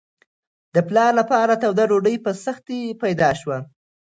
د پلار لپاره توده ډوډۍ په سختۍ پیدا شوه.